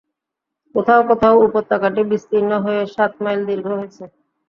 কোথাও কোথাও উপত্যকাটি বিস্তীর্ণ হয়ে সাত মাইল দীর্ঘ হয়েছে।